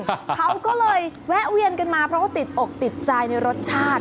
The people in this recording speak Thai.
เขาก็เลยแวะเวียนกันมาเพราะว่าติดอกติดใจในรสชาติ